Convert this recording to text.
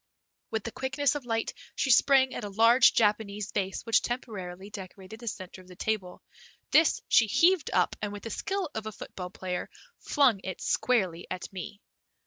With the quickness of light she sprang at a large Japanese vase which temporarily decorated the center of the table. This she heaved up, and with the skill of a football player flung it squarely at me.